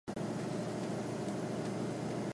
ミズーリ州の州都はジェファーソンシティである